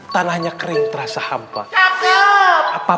terima kasih terhajii